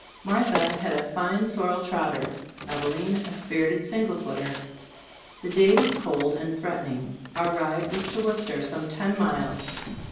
Martha had a fine sorrel trotter, Eveline a spirited single footer. The day was cold and threat ening. Our ride was to Worcester, some ten miles.